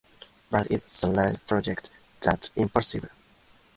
But it's the larger project that's impressive.